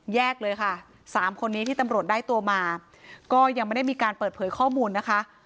เลยค่ะสามคนนี้ที่ตำรวจได้ตัวมาก็ยังไม่ได้มีการเปิดเผยข้อมูลนะคะ